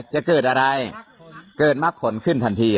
จะเกิดอะไรเกิดมักผลขึ้นทันที